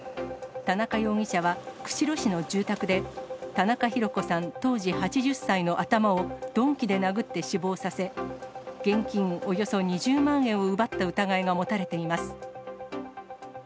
田中容疑者は釧路市の住宅で、田中弘子さん当時８０歳の頭を、鈍器で殴って死亡させ、現金およそ２０万円を奪った疑いが持たれています。